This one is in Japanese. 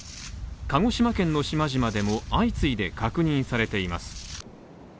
鹿児島県の島々でも相次いで確認されています。